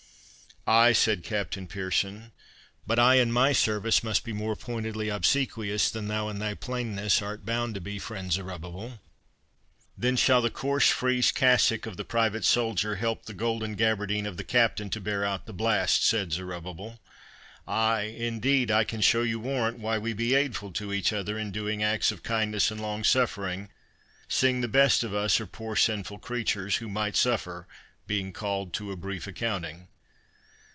"Ay," said Captain Pearson, "but I in my service must be more pointedly obsequious, than thou in thy plainness art bound to be, friend Zerubbabel." "Then shall the coarse frieze cassock of the private soldier help the golden gaberdine of the captain to bear out the blast," said Zerubbabel. "Ay, indeed, I can show you warrant why we be aidful to each other in doing acts of kindness and long suffering, seeing the best of us are poor sinful creatures, who might suffer, being called to a brief accounting."